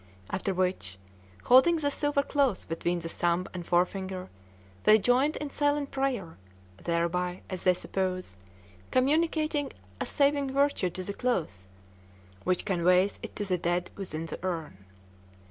After which, holding the silver cloth between the thumb and forefinger, they joined in silent prayer, thereby, as they suppose, communicating a saving virtue to the cloth, which conveys it to the dead within the urn.